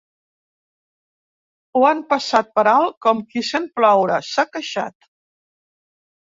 Ho han passat per alt com qui sent ploure, s’ha queixat.